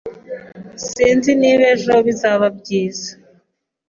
Sinzi niba ejo bizaba byiza.